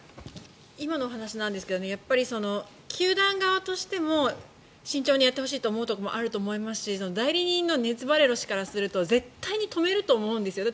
今のお話なんですが球団側としても慎重にやってほしいと思うところもあると思いますし代理人のネズ・バレロ氏からすると絶対に止めると思うんですよ。